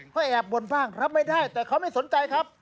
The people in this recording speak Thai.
ก็แอบบ่นบ้างรับไม่ได้แต่เขาไม่สนใจครับ